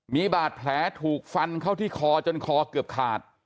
มีบาดแผลถูกฟันเข้าที่คอจนคอเกือบขาด